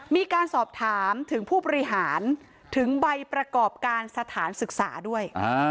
มีการสอบถามถึงผู้บริหารถึงใบประกอบการสถานศึกษาด้วย